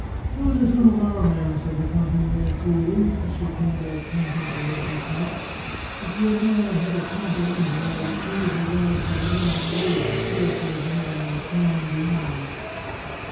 " Those are some of our men," said the cantiniere coolly, as she came back panting to her little cart. " If your mare had a canter in her I would tell you to ride to the end of the wood, and see if there is any one on the plain beyond."